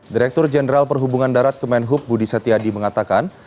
direktur jenderal perhubungan darat kemenhub budi setiadi mengatakan